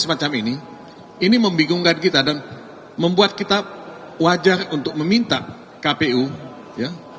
semacam ini ini membingungkan kita dan membuat kita wajar untuk meminta kpu ya